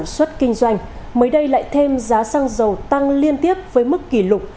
xuất kinh doanh mới đây lại thêm giá xăng dầu tăng liên tiếp với mức kỷ lục